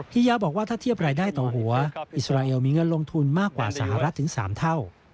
ยาบอกว่าถ้าเทียบรายได้ต่อหัวอิสราเอลมีเงินลงทุนมากกว่าสหรัฐถึง๓เท่า